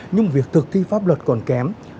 nhưng việc thực thi pháp luật còn kém